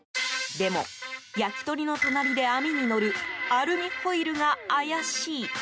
でも、焼き鳥の隣で網にのるアルミホイルが怪しい。